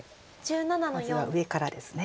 まずは上からですね。